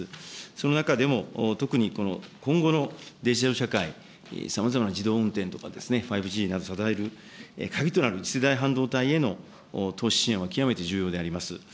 その中でも、特にこの今後のデジタル社会、さまざまな自動運転とかですね、５Ｇなどを支える、だいぶ鍵となる次世代半導体への投資支援は極めて重要であります。